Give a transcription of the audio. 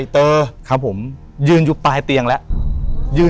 เตอร์ครับผมยืนอยู่ปลายเตียงแล้วยืน